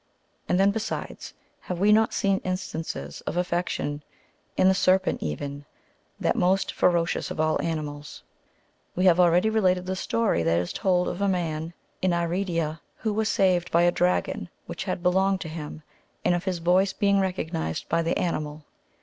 And then, besides, have we not seen instances of affection in the sei pent even, that most ferocious of all animals ? We have akeady^^ related the story that is told of a man in Arca dia, who was saved by a dragon which had belonged to him, and of his voice being recognized by the animal.